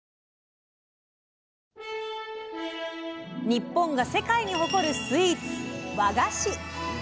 日本が世界に誇るスイーツ和菓子。